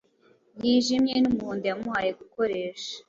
Yijimye numuhondo yamuhaye gukoresha